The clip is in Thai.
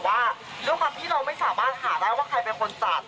ว่าด้วยความที่เราไม่สามารถหาได้ว่าใครเป็นคนจัด